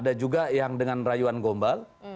ada juga yang dengan rayuan gombal